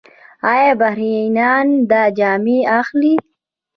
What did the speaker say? آیا بهرنیان دا جامې اخلي؟